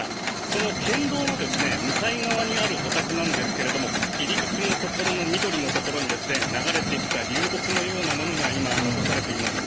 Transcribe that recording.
この県道の向かい側にあるお宅なんですけれども入り口のところの緑のところに流れてきた流木のようなものが今、残されています。